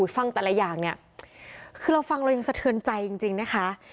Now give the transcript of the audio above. ฟังแต่ละอย่างเนี่ยคือเราฟังเรายังสะเทือนใจจริงนะคะ